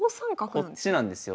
こっちなんですよ。